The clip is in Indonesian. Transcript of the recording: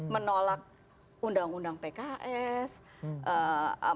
menolak undang undang pkm